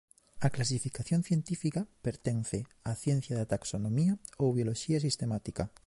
A clasificación científica pertence á ciencia da taxonomía ou bioloxía sistemática.